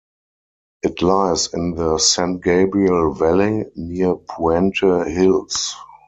It lies in the San Gabriel Valley, near Puente Hills.